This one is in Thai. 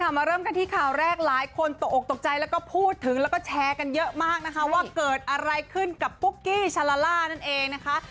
มาเริ่มกันที่ข่าวแรกหลายคนตกออกตกใจแล้วก็พูดถึงแล้วก็แชร์กันเยอะมากนะคะว่าเกิดอะไรขึ้นกับปุ๊กกี้ชาลาล่านั่นเองนะคะ